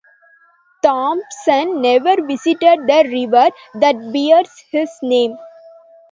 Thompson never visited the river that bears his name.